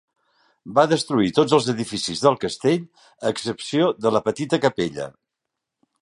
Va destruir tots els edificis del castell a excepció de la petita capella.